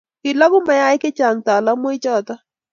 kiloku mayaik chechang talamoichoto